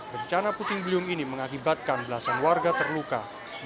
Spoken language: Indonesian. bencana puting beliung ini mengakibatkan belasan warga terluka